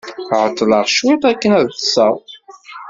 Ɛeḍḍleɣ cwiṭ akken ad ḍḍseɣ.